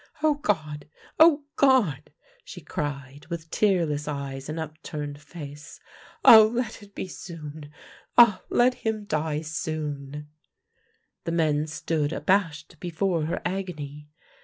Oh, God! oh, God!" she cried, with tearless eyes and upturned face. " Ah, let it be soon! Ah, let him die soon! " The men stood abashed before her agony.